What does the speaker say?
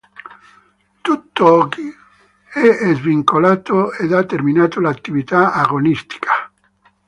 Tutt'oggi è svincolato ed ha terminato l'attività agonistica.